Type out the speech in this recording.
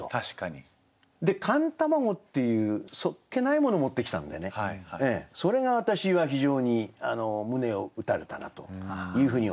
で「寒卵」っていうそっけないものを持ってきたんでね。それが私は非常に胸を打たれたなというふうに思いまして。